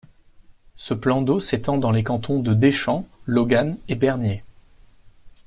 Ce plan d'eau s'étend dans les cantons de Deschamps, Logan et Bernier.